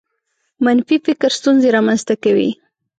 منفي فکر ستونزې رامنځته کوي.